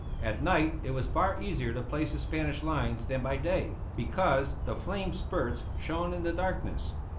At night it was far easier to place the Spanish lines than by day, because the flame spurts shone in the darkness.